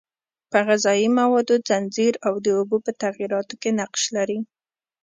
په غذایي موادو ځنځیر او د اوبو په تغییراتو کې نقش لري.